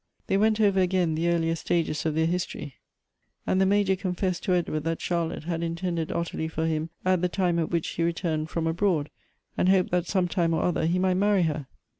They went over again the earlier stages of their history, and the Major 12* 274 Goethe's confessed to Edward that Charlotte had intended Ottilia for him at the time at which he returned from abroad, and hoped that some time or other he might marry her.